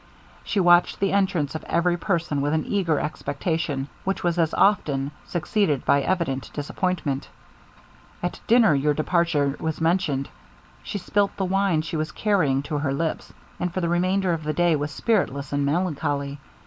She watched the entrance of every person with an eager expectation, which was as often succeeded by evident disappointment. At dinner your departure was mentioned: she spilt the wine she was carrying to her lips, and for the remainder of the day was spiritless and melancholy.